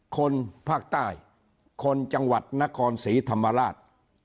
คนภาคใต้คนจังหวัดนครศรีธรรมราช